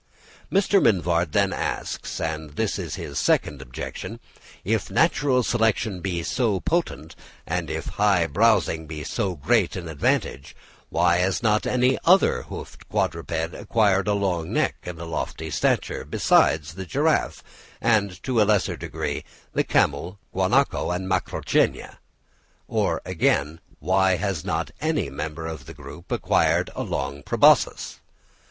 Mr. Mivart then asks (and this is his second objection), if natural selection be so potent, and if high browsing be so great an advantage, why has not any other hoofed quadruped acquired a long neck and lofty stature, besides the giraffe, and, in a lesser degree, the camel, guanaco and macrauchenia? Or, again, why has not any member of the group acquired a long proboscis?